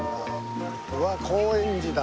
うわっ高円寺だ。